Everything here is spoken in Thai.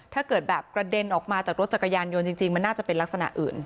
ถ้าเกิดแบบกระเด็นออกมาจากรถจักรยานยนต์จริงมันน่าจะเป็นลักษณะอื่น